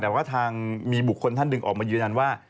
แต่ว่าทางมีบุคคลท่านหนึ่งออกมายืนยันว่า